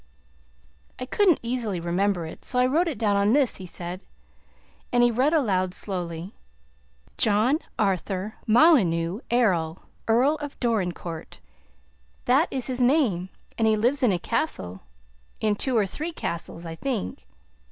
"I couldn't easily remember it, so I wrote it down on this," he said. And he read aloud slowly: "'John Arthur Molyneux Errol, Earl of Dorincourt.' That is his name, and he lives in a castle in two or three castles, I think.